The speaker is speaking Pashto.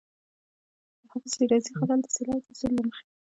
د حافظ شیرازي غزل د سېلاب د اصولو له مخې.